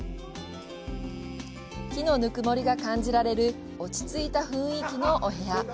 木のぬくもりが感じられる落ち着いた雰囲気のお部屋。